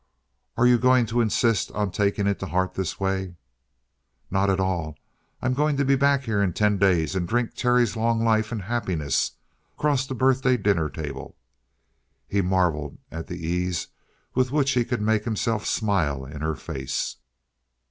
"Are you going to insist on taking it to heart this way?" "Not at all. I'm going to be back here in ten days and drink Terry's long life and happiness across the birthday dinner table." He marvelled at the ease with which he could make himself smile in her face.